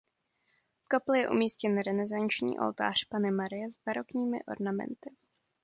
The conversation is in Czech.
V kapli je umístěn renesanční oltář Panny Marie s barokními ornamenty.